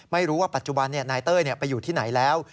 ไม่รู้ว่าปัจจุบันนายเต้ยไปอยู่ที่ไหนแล้ว